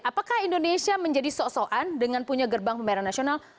apakah indonesia menjadi sok soan dengan punya gerbang pembayaran nasional